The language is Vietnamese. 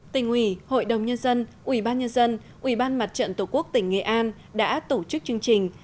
tỉnh ủy hội đồng nhân dân ủy ban nhân dân ủy ban mặt trận tổ quốc tỉnh nghệ an đã tổ chức chương trình